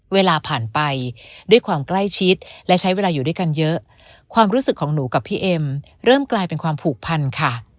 เวลาผ่านไปด้วยความใกล้ชิดและใช้เวลาอยู่ด้วยกันเยอะความรู้สึกของหนูกับพี่เอ็มเริ่มกลายเป็นความผูกพันค่ะ